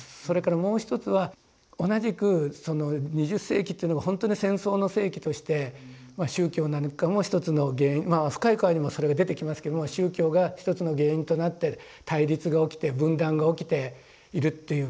それからもう一つは同じく２０世紀っていうのがほんとに戦争の世紀としてまあ宗教なんかも一つの原因まあ「深い河」にもそれが出てきますけども宗教が一つの原因となって対立が起きて分断が起きているっていうことですね。